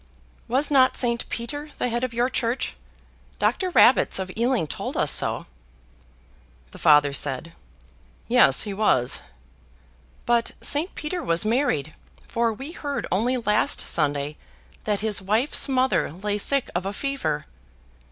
"Was not Saint Peter the head of your church? Dr. Rabbits of Ealing told us so." The Father said, "Yes, he was." "But Saint Peter was married, for we heard only last Sunday that his wife's mother lay sick of a fever."